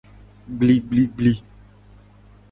Gbligbligbli.